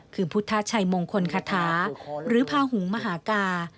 คือพุทธชัยมงคลคาถาหรือพาหุงมหากา